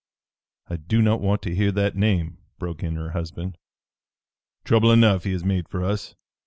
I do not want to hear that name!" broke in her husband. "Trouble enough he has made for us!"